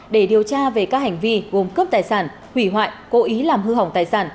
để điều tra về các hành vi gồm cướp tài sản hủy hoại cố ý làm hư hỏng tài sản